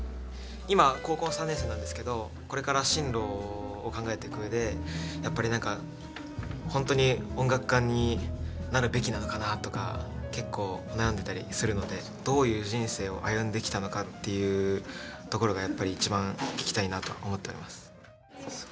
今高校３年生なんですけどこれから進路を考えていくうえでやっぱりなんかほんとに音楽家になるべきなのかなとか結構悩んでたりするのでどういう人生を歩んできたのかっていうところがやっぱり一番聞きたいなと思っております。